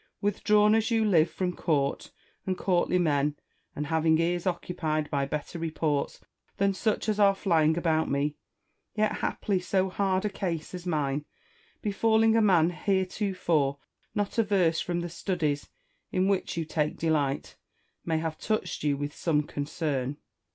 Withdrawn as you live from court and courtly men, and having ears occupied by better reports than such as are flying about me, yet haply so hard a case as mine, befalling a man heretofore not averse from the studies in which you take delight, may have touched you with some concern.